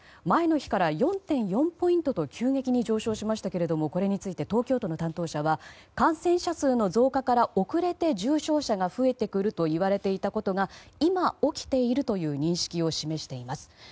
前の日から４．４ポイントと急激に上昇しましたがこれについて東京都の担当者は感染者数の増加から遅れて重症者が増えてくるといわれていたことが今、起きているという認識を示しています。